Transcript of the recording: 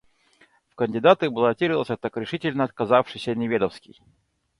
В кандидаты баллотировался так решительно отказавшийся Неведовский.